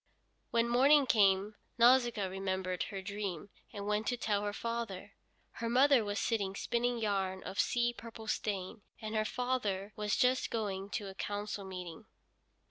When morning came Nausicaa remembered her dream, and went to tell her father. Her mother was sitting spinning yarn of sea purple stain, and her father was just going to a council meeting.